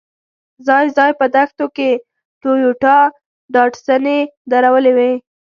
ځای ځای په دښتو کې ټویوټا ډاډسنې درولې وې.